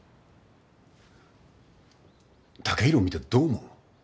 剛洋見てどう思う？